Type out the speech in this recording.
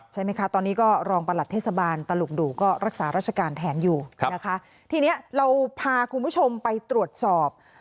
ใช่ไหมคะตอนนี้ก็รองประหลัดเทศบาลตลุกดูก็รักษาราชการแทนอยู่นะคะทีนี้เราพาคุณผู้ชมไปตรวจสอบ